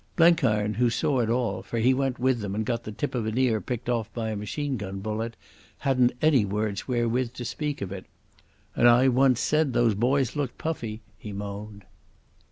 Blenkiron, who saw it all, for he went with them and got the tip of an ear picked off by a machine gun bullet, hadn't any words wherewith to speak of it. "And I once said those boys looked puffy," he moaned.